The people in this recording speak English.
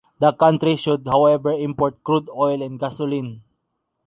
The country should however import crude oil and gasoline.